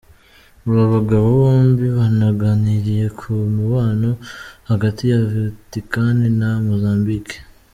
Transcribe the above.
Aba bagabo bombi banagariniye ku mubano hagati ya Vatican na Mozambique.